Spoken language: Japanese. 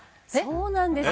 そうなんですよ！